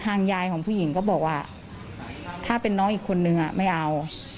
ยายของผู้หญิงก็บอกว่าถ้าเป็นน้องอีกคนนึงไม่เอา